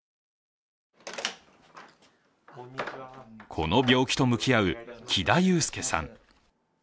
この病気と向き合う木田祐輔さん。